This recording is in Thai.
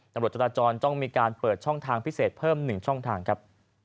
ตำรวจจราจรต้องมีการเปิดช่องทางพิเศษเพิ่ม๑ช่องทางครับ